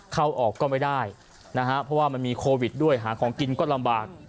เข้าออกก็ไม่ได้นะฮะเพราะว่ามันมีโควิดด้วยหาของกินก็ลำบาก